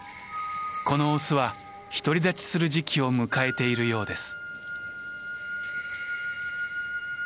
このオスは独り立ちする時期を迎えているようです。